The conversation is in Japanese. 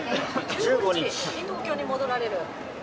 １５日に東京に戻られる？